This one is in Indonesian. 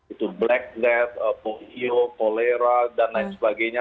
itu black death polio polera dan lain sebagainya